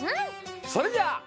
それじゃあ。